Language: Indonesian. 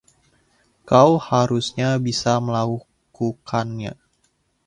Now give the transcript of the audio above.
Kau harusnya bisa melakukannya.